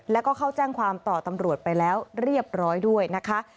แล้วก็เข้าแจ้งความต่อตำรวจไปแล้วเรียบร้อยด้วยนะคะ